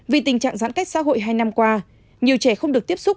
vì tình trạng giãn cách xã hội hai năm qua nhiều trẻ không được tiếp xúc